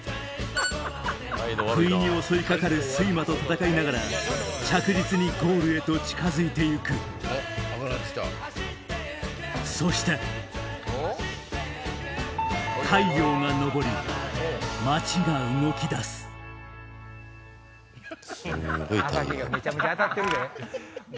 不意に襲いかかる睡魔と闘いながら着実にゴールへと近づいていくそして太陽が昇り街が動き出すハハハハ！